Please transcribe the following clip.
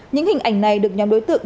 những hình ảnh này được nhóm đối tượng